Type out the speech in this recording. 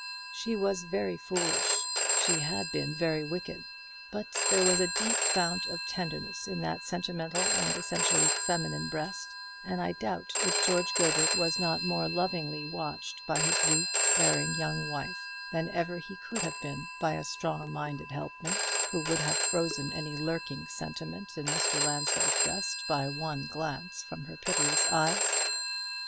She was very foolish she had been very wicked but there was a deep fount of tenderness in that sentimental and essentially feminine breast; and I doubt if George Gilbert was not more lovingly watched by his weak erring young wife than ever he could have been by a strong minded helpmate, who would have frozen any lurking sentiment in Mr. Lansdell's breast by one glance from her pitiless eyes.